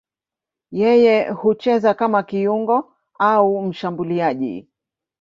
Yeye hucheza kama kiungo au mshambuliaji.